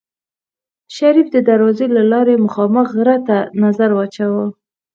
شريف د دروازې له لارې مخامخ غره ته نظر واچوه.